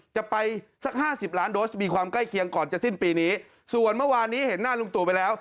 จะไปสักห้าสิบล้านโดสมีความใกล้เคียงก่อนจะสิ้นปีนี้ส่วนเมื่อวานนี้เห็นหน้าลุงตู่ไปแล้ว